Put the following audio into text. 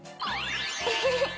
ウフフフ。